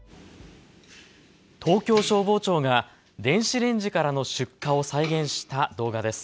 東京消防庁が電子レンジからの出火を再現した動画です。